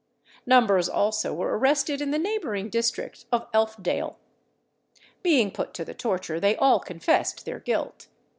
Numbers also were arrested in the neighbouring district of Elfdale. Being put to the torture, they all confessed their guilt.